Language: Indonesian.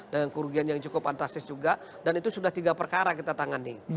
dengan kerugian yang cukup fantastis juga dan itu sudah tiga perkara kita tangani